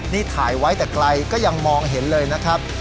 นี่ถ่ายไว้แต่ไกลก็ยังมองเห็นเลยนะครับ